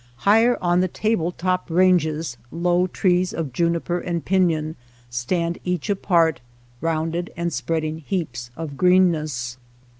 Higher on the table topped ranges low trees of juniper and pinon stand each apart, rounded and spreading heaps of greenness.